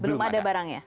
belum ada barangnya